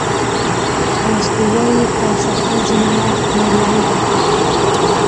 ارسطو وایي فلسفه ځینې وخت ناروغي ده.